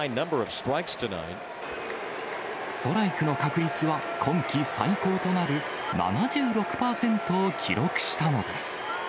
ストライクの確率は、今季最高となる７６％を記録したのです。